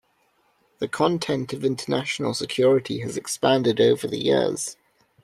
The content of international security has expanded over the years.